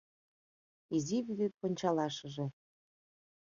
Изи вӱдет вончалашыже